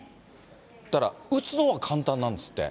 行ったら、打つのは簡単なんですって。